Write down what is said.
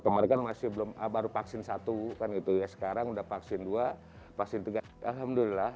kemarikan masih belum abar vaksin satu kan itu ya sekarang udah vaksin dua pasti tinggal alhamdulillah